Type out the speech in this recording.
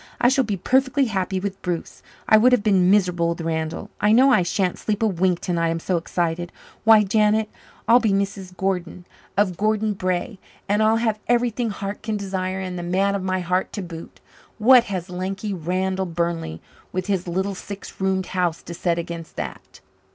I shall be perfectly happy with Bruce I would have been miserable with Randall. I know I shan't sleep a wink tonight I'm so excited. Why, Janet, I'll be Mrs. Gordon of Gordon Brae and I'll have everything heart can desire and the man of my heart to boot. What has lanky Randall Burnley with his little six roomed house to set against that?"